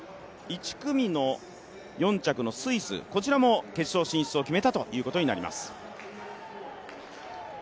１組の４着のスイスも決勝進出を決めたということになります。